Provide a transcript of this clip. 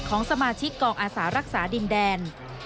ของสมาชิกกองอาสารักษาดินแดน